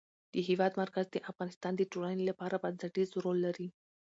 د هېواد مرکز د افغانستان د ټولنې لپاره بنسټيز رول لري.